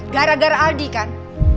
gara gara aldi kan